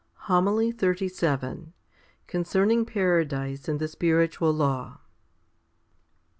HOMILY XXXVII Concerning Paradise and the spiritual law.